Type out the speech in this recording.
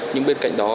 nhưng bên cạnh đó